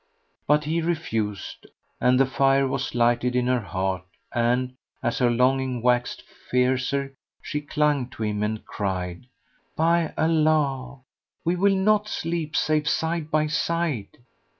But he refused, and the fire was lighted in her heart and, as her longing waxed fiercer, she clung to him and cried, "By Allah, we will not sleep save side by side!"